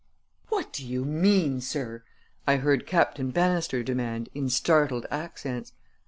"What do you mean, sir?" I heard Captain Bannister demand in startled accents.